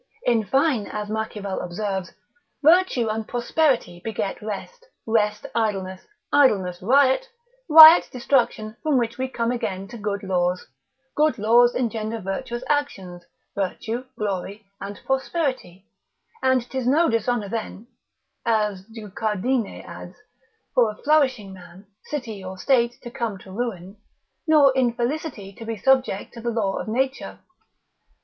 In fine, (as Machiavel observes) virtue and prosperity beget rest; rest idleness; idleness riot; riot destruction from which we come again to good laws; good laws engender virtuous actions; virtue, glory, and prosperity; and 'tis no dishonour then (as Guicciardine adds) for a flourishing man, city, or state to come to ruin, nor infelicity to be subject to the law of nature.